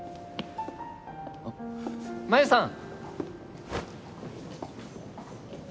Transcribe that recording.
あっ真夢さん！